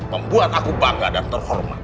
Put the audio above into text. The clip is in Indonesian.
membuat aku bangga dan terhormat